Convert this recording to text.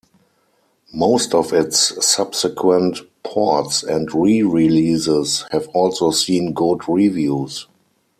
Most of its subsequent ports and re-releases have also seen good reviews.